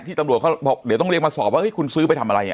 ตำรวจเขาบอกเดี๋ยวต้องเรียกมาสอบว่าคุณซื้อไปทำอะไร